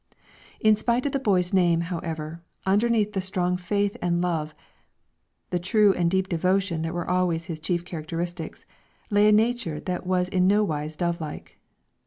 In spite of the boy's name, however, underneath the strong faith and love, the true and deep devotion that were always his chief characteristics, lay a nature that was in no wise dovelike.